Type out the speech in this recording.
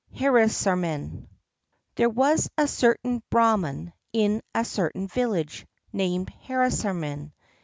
Harisarman There was a certain Brahman in a certain village, named Harisarman.